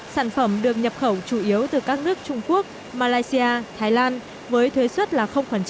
sản phẩm được nhập khẩu chủ yếu từ các nước trung quốc malaysia thái lan với thuế xuất là